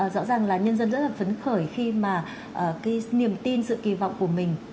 rõ ràng là nhân dân rất là phấn khởi khi mà cái niềm tin sự kỳ vọng của mình